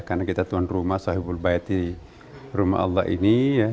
karena kita tuhan rumah sahibul bayati rumah allah ini ya